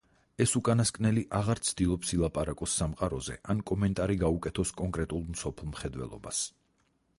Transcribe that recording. ეს უკანასკნელი აღარ ცდილობს ილაპარაკოს სამყაროზე ან კომენტარი გაუკეთოს კონკრეტულ მსოფლმხედველობას.